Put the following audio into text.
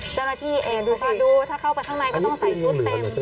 เจ้าหน้าที่ดูค่ะดูถ้าเข้าไปข้างในก็ต้องใส่ชุดเต็ม